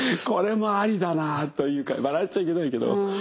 これもありだなというか笑っちゃいけないけど。